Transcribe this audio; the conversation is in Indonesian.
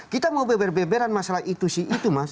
kita mau beber beberan masalah itu si itu mas